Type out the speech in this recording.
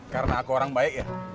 karena aku orang baik ya